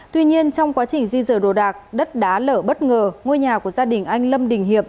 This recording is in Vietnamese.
tuy nhiên trong quá trình di rời đồ đạc đất đá lở bất ngờ ngôi nhà của gia đình anh lâm đình hiệp